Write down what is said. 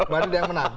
madrid yang menang